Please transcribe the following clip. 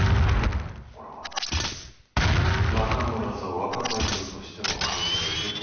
これは中村座若太夫としての考えでございます。